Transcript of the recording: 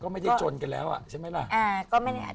ก็ไม่ได้จนกันแล้วอ่ะใช่ไหมล่ะ